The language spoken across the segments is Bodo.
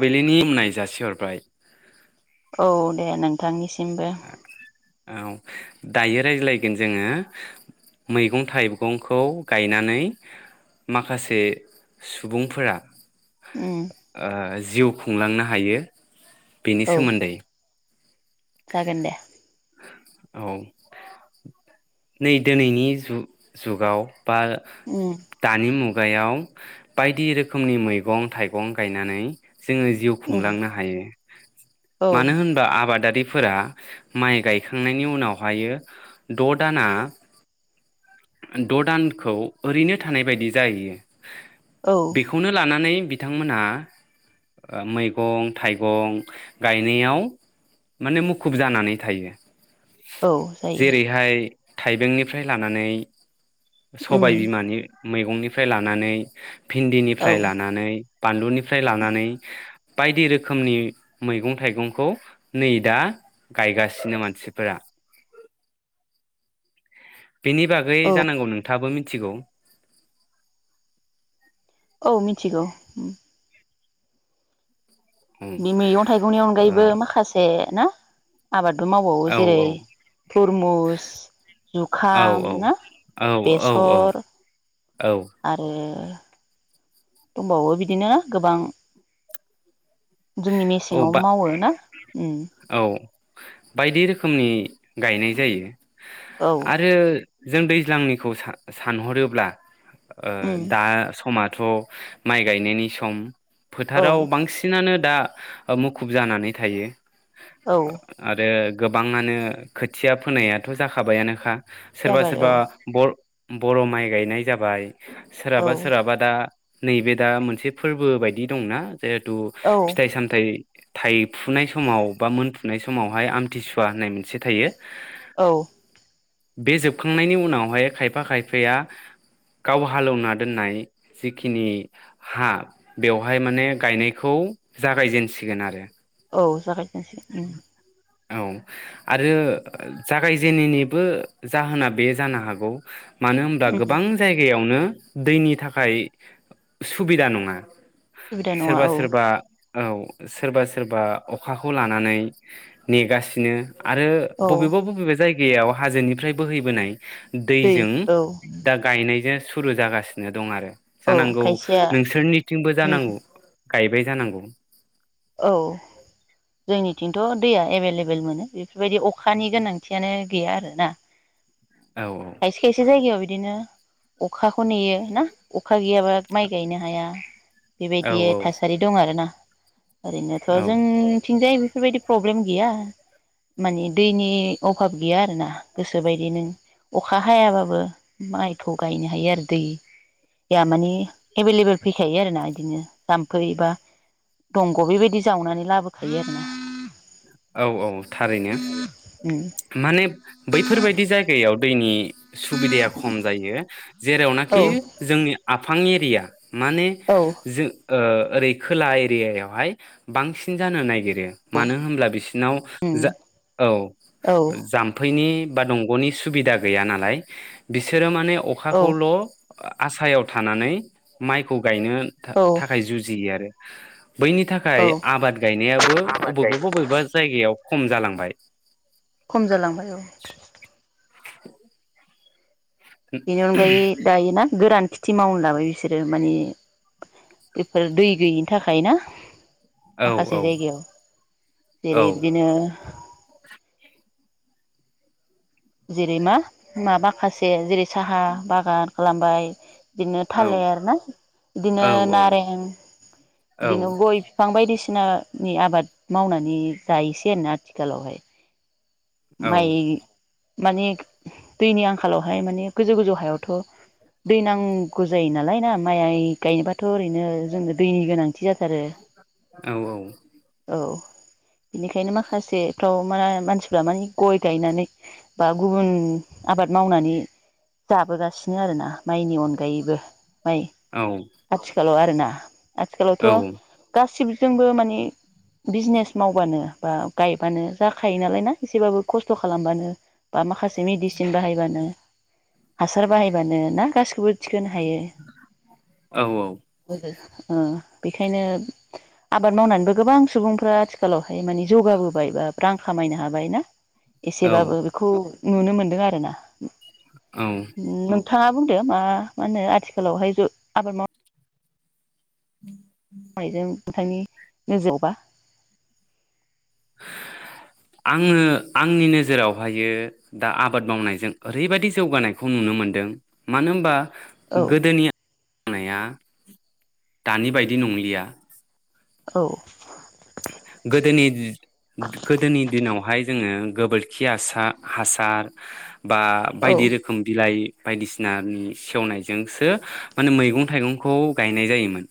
बिलिनि खुलुमनाय जासिहर बाय। औ दे नोंथांनिसिम ओ औ दायो रायज्लायगोन जोङो मैगं थाइगंखौ गायनानै माखासे सुबुंफोरा उम ओ जिउ खुंलांनो हायो। बेनि औ सोमोन्दै। जागोन दे। औ नै दिनैनि जुग जुगाव बा उम दानि मुगायाव बायदि रोखोमनि मैगं थाइगं गायनानै जोङो जिउ उम खुंलांनो हायो। औ मानो होनबा आबादारि फोरा माइ गायखांनायनि उनावहायो द' दाना द' दानखौ ओरैनो थानाय बायदि जाहैयो। औ बेखौनो लानानै बिथांमोना ओ मैगं थाइगं गायनायाव माने मुखुब जानानै थायो। औ जायो। जेरैहाय थाइबेंनिफ्राय लानानै उम सबाय बिमानि मैगंनिफ्राय लानानै औ भिन्दिनिफ्राय लानानै बानलुनिफ्राय लानानै बायदि रोखोमनि मैगं थाइगंखौ नै दा गायगासिनो मानसिफोरा। बेनि बागै औ जानांगौ नोंथाङाबो मि थिगौ। औ मिथिगौ ओम। उम बे मैगं थाइगंनि अनगायैबो माखासे ना आबादबो मावबावो ओ जेरै औ थरमुस औ जुखाम औ ना औ बेसर औ आरो दंबावो बिदिनो गोबां जोंनि औ मेसेंआव बा मावो ना ओम औ बायदि रोखोमनि गायनाय जायो। औ आरो जों दैज्लांनिखौ सा-सानहरोब्ला ओ उम दा समा थ' माइ गायनायनि सम। औ फोथाराव बांसिनानो। दा मुखुब जानानै थायो। औ आरो गोबाङानो खोथिया फोनायाथ' जाखाबायानोखा। सोरबा जाबाय औ सोरबा बर' बर' माइ गायनाय जाबाय। औ सोरहाबा सोरहाबा दा नैबे दा मोनसे फोरबो बायदि दंना जेहेतु औ नाथाय थाइफुनाय समाव बा मोनफुनाय समावहाय आमथिसुवा होननाय मोनसे थायो। औ। बे जोबखांनायनि उनावहाय खायफा खायफाया गाव हालौवना दोननाय जिखिनि हा बेवहाय माने गायनायखौ जागायजेनसिगोन आरो। औ जागोन। गासै। औ आरो जागायजेननायनिबो जाहोना बे जानो हागौ मानो होनब्ला उम गोबां जायगायावनो दैनि थाखाय सुबिदा नङा। सुबिदा नङा सोरबा औ। सोरबा औ सोरबा सोरबा अखाखौ लानानै नानै नेगासिनो। आरो औ बबेबा बबेबा जायगा याव हाजोनिफ्राय बोहैबोनाय दै दैजों औ दा गायनायजों सुरु जागासिनो दं आरो। औ जानांगौ खायसेया नोंसोरनिथिंबो उम जानांगौ। गायबाय जानांगौ। औ जोंनिथिंथ' दैया एभेलेबेल मोनो बेफोरबायदि अखानि गोनांथियानो गैया आरोना। औ खायसे खायसे जायगायाव बिदिनो अखाखौ नेयो ना अखा अखा गैयाबा माइ गायनो हाया। औ बेबायदि थासारि दं आरोना। ओरैनोथ' औ जोंथिंजाय बेफोरबायदि प्रब्लेम प्रब्लेम गैया माने दैनि अभाब गैया आरोना गोसोबायदि नों अखा हायाबाबो माइखौ गायनो हायो आरो दैया मानि एभेलेबेल फैखायो आरो ना बिदिनो जाम्फै बा दंग' बेबायदि जावनानै लाबोखायो आरो ना। औ औ थारैनो, उम माने बैफोरबायदि जायगायाव दैनि सुबिदाया खम जायो औ जेरावनाखि जोंनि आ फां एरिया माने औ जों ओ ओरै खोला एरियायावहाय बांसिन जानो नागिरो औ मानो होनब्ला बि सिनाव उम औ जाम्पै नि बा दंगनि सुबिदा गैया नालाय बिसोर माने औ अखाखौल'' आसायाव थानानै माइखौ गायनो औ थाखाय जुजियो आरो। [inaudible] बैनि औ थाखाय आबाद गायनायाबो आबाद गाय बबेबा-बबेबा खम जालांबाय खम जालांबाय औ [inaudible] बिनि अनगायै दायो ना गोरान खेथि मावनो लाबाय बिसोरो मानि बेफोर दै गैयिनि थाखाय ना, औ माखासे औ जायगायाव जेरै औ बिदिनो जेरै मा मा माखासे जेरै साहा बागान खालामबाय, [inaudible] बिदिनो औ थालिर ना बिदिनो नारें बिदिनो गय बिफां बायदिसिनानि आबाद मावनानै जायोसै आरोना आथिखालावहाय माय मानि दैनि आंखालावहाय माने गोजौ गोजौ हायावथ' दै नांगौ जायोना लाय ना माइ गायनोबाथ' ओरैनो जोंनो दैनि गोनां थि जाथारो औ। बेनिखायनो माखासेफ्राव मा मानसि। फमाने गय गायनानै बा गुबुन आबाद मावनानै जाबोगासिनो आरोना। माइनि अनगायैबो माइ आथिखालाव आरो। [inaudible] आथिखालावथ' औ गासिबो जोंबो माने बिजनेस मावबानो बा गायबानो जाखायो नालाय ना। एसेबाबो खस्थ' खालामबानो बा माखासे ए मेडिसिन बाहायबानो। हासार बाहायबानो ना गासिखौबो होनो हायो। औ ओ बेखायनो आबाद मावनानैबो गोबां सुबुंफ्रा आथिखालावहाय माने जौगाबोबाय बा रां खामायनो हा बायना। एसेबाबो बेखौ नुनो मोनदों आरोना। [inaudible] औ [inaudible] नोंथाङा बुंदो मा मा होनो आथिखालावहाय ज आबाद माव [inaudible] [inaudible] आङो आंनि नोजोरावहायो दा आबाद मावनायजों ओरैबायदि जौगानायखौ नुनो मोनदों मानो होनबा। औ गोदोनिया। मावनाया दानि बायदि नंलिया। औ। गोदोनि गोदोनि दिनावहाय जोङो गोबोरखि हासार हासार बा औ बायदि रोखोम बिलाइ बायदिसिनानि सेवनायजोंसो माने मैगं थाइगंखौ गायनाय जायोमोन।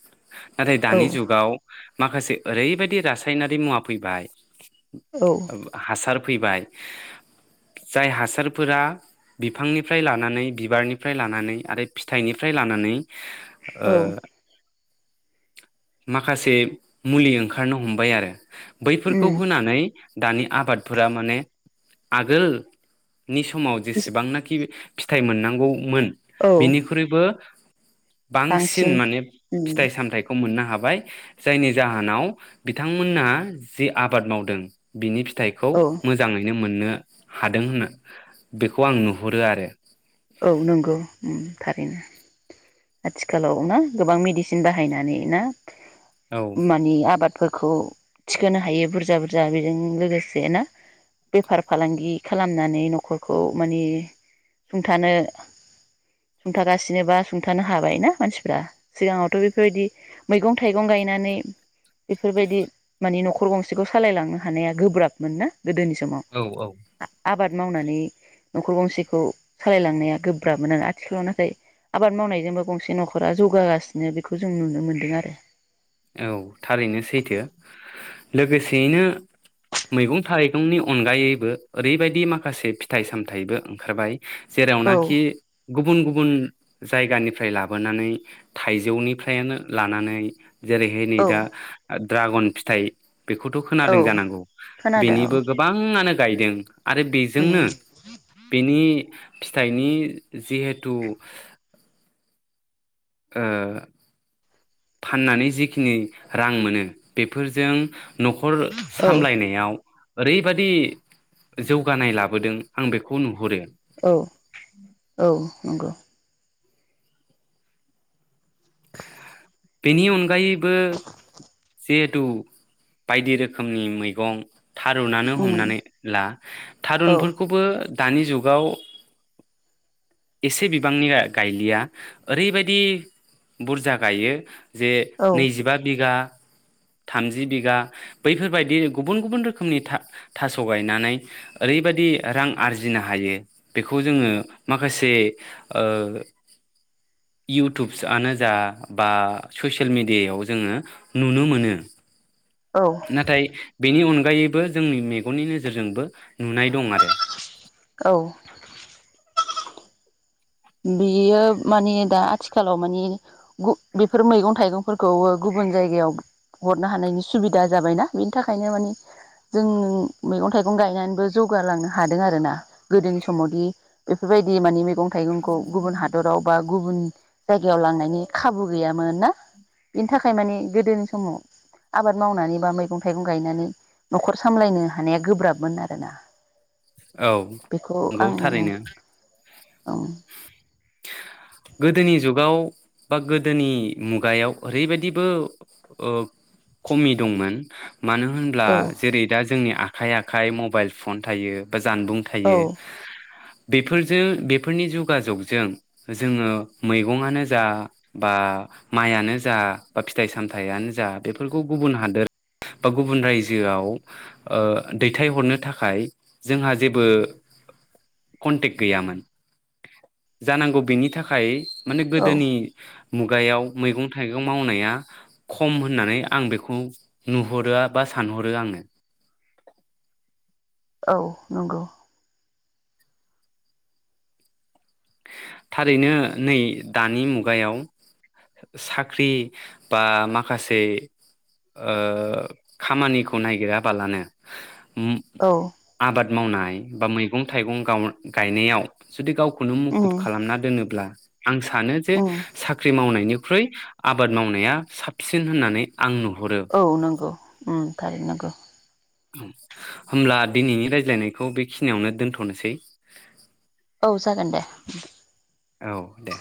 नाथाय दानि औ जुगाव। माखासे ओरैबायदि। रासायारि मुवा फैबाय। औ हासार। फैबाय जाय हासारफोरा बिफांनिफ्राय लानानै बिबारनिफ्राय लानानै आरो फिथाइनिफ्राय लानानै औ ओं। माखासे मुलि ओंखारनो हम बाय आरो। बैफोरखौ उम होनानै दानि आबादफोरा माने आगोल नि समाव जेसेबांनाखि फिथाइ मोननांगौमोन। औ बिनिख्रुइबो। बांसिन माने उम फिथाइ सामथाइखौ मोननो हाबाय बाय जायनि जाहोनाव बिथांमोनहा जे आबाद मावदों बिनि फि थाइखौ औ मोजाङैनो मोन मोननो हादों होननो बेखौ आं नुहुरो आरो। औ नंगौ उम थारैनो आथिखालाव ना गोबां मेडिसिन बाहायनानै ना औ मानि आबाद फोरखौ थिखोनो हायो बुरजा बुरजा बेजों लोगोसे ना बेफार फालांगि खालामनानै न'खरखौ मानि सुंथानो सुंथागासिनोबा सुंथानो हाबाय ना मानसिफ्रा सिगाङावथ' बेफोरबायदि मैगं थाइगं गायनानै बेफोरबायदि मानि न'खर गंसेखौ सालायलांनो हानाया गोब्राबमोन ना। गोदोनि समाव औ औ आबाद मावनानै न'खर गंसेखौ सालायलांनाया गोब्राबमोन आरो आथिखालाव नाथाय आबाद मावनायजोंबो गंसे न'खरा जौगागासिनो बेखौ जों नुनो मोन्दों आरो औ थारैनो सैथो लोगोसेयैनो मैगं थारैगंनि अनगायैबो ओरैबायदि माखासे फिथाइ सामथायाइबो ओंखारबाय औ जेरावनाखि गुबुन गुबुन गुबुन जायगानिफ्राय लाबोनानै थाइजौनिफ्रायनो लानानै जेरैहाय नै औ दा ड्रागन फिथाइ बेखौथ' औ खोनादों जानांगौ खोनादों औ बेनिबो गोबाङानो गायदों आरो उम बेजोंनो बेनि फिथाइनि जिहेथु ओ फाननानै जिखिनि रां मोनो बेफोरजों न'खर औ सामलायनायाव ओरैबाददि जौगानाय लाबोदों आं बेखौ नुहुरो औ औ नंगौ बेनि अनगायैबो जिहेथु बायदि रोखोमनि मैगं थारुनानो औ हमनानै ला थारुनफोरखौबो दानि जुगाव एसे बिबांनि गायलिया ओरैबायदि बुरजा गायो। जे औ नैजिबा बिगा थामजि बिगा बैफोरबायदि गुबुन गुबुन रोखोमनि था-थास' गायनानै ओरैबायाददि रां आरजिनो हायो बेखौ जोङो माखासे ओ इउटुबसआनो जा बा ससियेल मेडियायाव जोङो नुनो मोनो [inaudible] औ नाथाय बेनि अनगा अनगायैबो जोंनि मेगननि नोजोरजोंबो नुनाय दं आरो। औ बेयो मानि‌ दा आथिखालाव मानि बेफोर मैगं थाइगंफोरखौबो गुबुन जायगायाव हरनो हानायनि सुबिदा जाबायना बेनि थाखायनो मानि जों मैगं थाइगं गायनानैबो जौगालांनो हादों आर ना गोदोनि समावदि बेफोरबायदि मानि मैगं थाइगंखौ- खौ गुबुन हादराव बा गुबुन जायगायाव लांनायनि खाबु गैयामोन ना बेनि थाखाय मानिे गोदोनि समाव आबाद मावनानै बा मैगं थाइगं गायनानै न'खर सामलायनो हानाया गोब्राबमोन आरोना औ बेखौ नंगौ आं थारैनो। ओं गोदोनि जुगाव बा गोदोनि मुगायाव ओरैबायदिबो खमि दंमोन मानो होनब्ला औ जेरै दा जोंनि आखाइ आखाइ मबाइल फन थायो बा जानबुं औ थायो। बेफोरजों बेफोरनि जगाजगजों जोङो मैगंआनो जा बा माइयानो जा बा फिथाइ सामथायाइयानो जा बेफोरखौ गुबुन हादोर बा गुबुन रायजोआव ओ दैथायहरनो थाखाय जोंहा जेबो कन्टेक्ट गैयामोन जानांगौ बेनि थाखाय माने औ गोदोनि मुगायाव मैगं थाइगं मावनाया खम होननानै आं बेखौ नुहरो बा सानहरो आङो औ नंगौ। थारैनो नै दानि मुगायाव साख्रि बा माखासे ओ खामानिखौ नायागिराबालानो औ आबाद मावनाय बा मैगं थाइगं गायनायाव जुदि गाव खुनुम उम मुखुब खालामना दोनोब्ला आं सानो जे उम साख्रि मावनायनि ख्रुइ आबाद मावनाया साबसिन होननानै। आं नुहुरो औ नगौ उम थारैनो नंगौ। होमब्ला दिनैनि रायज्लायनायखौ बेखिनियावनो दोनथ'नोसै। औ जागोन दे। औ दे